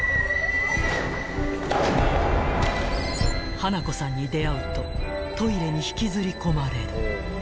［花子さんに出合うとトイレに引きずり込まれる］